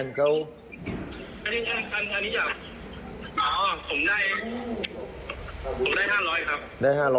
อันนี้อันนี้อ่ะอ๋อผมได้ผมได้ห้าร้อยครับ